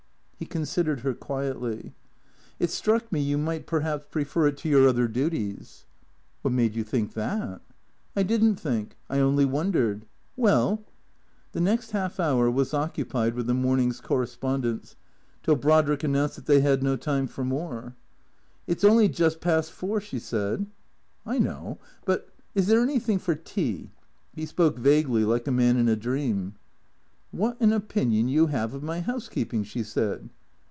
He considered her quietly. " It struck me you might perhaps prefer it to your other duties." " Wliat made you think that? "" I did n't think. I only wondered. Well " The next half hour was occupied with the morning's cor respondence, till Brodrick announced that they had no time for more. " It 's only just past four," she said. " I know ; but Is there anything for tea ?" He spoke vaguely like a man in a dream. " What an opinion you have of my housekeeping," she said.